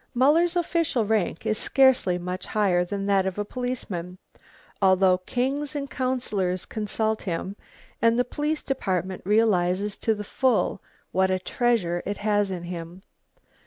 Muller's official rank is scarcely much higher than that of a policeman, although kings and councillors consult him and the Police Department realises to the full what a treasure it has in him.